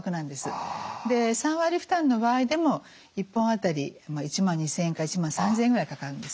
３割負担の場合でも１本当たり１万２，０００円から１万３，０００円ぐらいかかるんですね。